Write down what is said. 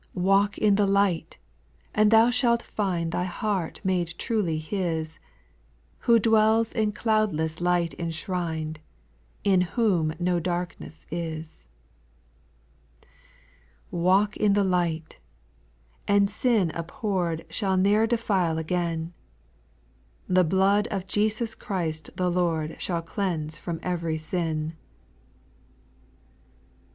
3. Walk in the light I and thou shalt find Thy heart made truly His, Who dwells in cloudless light enshrined, In whom no darkness is. 3. Walk in the light ! and sin abhorred Shall ne'er defile again ; The blood of Jesus Christ the Lord Shall cleanse from every sin.